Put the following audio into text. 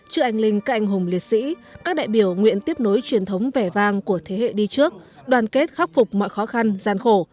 trước anh linh các anh hùng liệt sĩ các đại biểu nguyện tiếp nối truyền thống vẻ vang của thế hệ đi trước đoàn kết khắc phục mọi khó khăn gian khổ